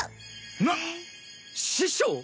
なっ師匠？